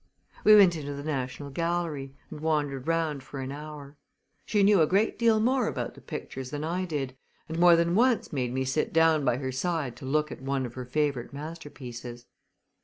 We went into the National Gallery and wandered round for an hour. She knew a great deal more about the pictures than I did, and more than once made me sit down by her side to look at one of her favorite masterpieces.